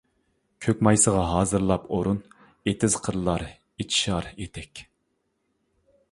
كۆك مايسىغا ھازىرلاپ ئورۇن، ئېتىز قىرلار ئېچىشار ئېتەك.